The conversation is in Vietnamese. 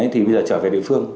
thì bây giờ trở về địa phương